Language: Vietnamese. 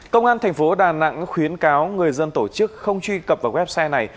công an thành phố đà nẵng khuyến cáo người dân tổ chức không truy cập vào website này